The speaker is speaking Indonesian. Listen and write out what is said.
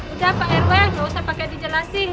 udah pak rw gak usah pake dijelasin